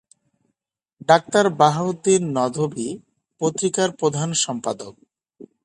Doctor Bahauddin Nadvi পত্রিকার প্রধান সম্পাদক।